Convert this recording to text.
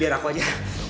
biar aku aja